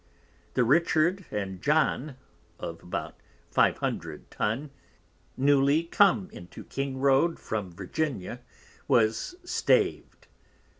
The Richard and John of about 500 Tun, newly come into King road from Virginia, was Staved.